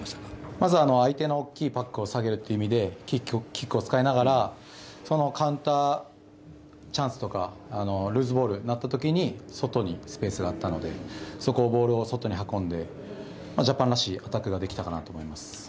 まずは相手の大きいパックを下げるっていう意味でキックを使いながらそのカウンターチャンスとかルーズボールになったときに外にスペースがあったのでそこをボールを外に運んでジャパンらしいアタックができたかなと思います。